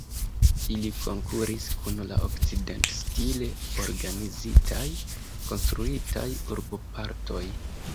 Ili konkuris kun la okcident-stile organizitaj, konstruitaj urbopartoj.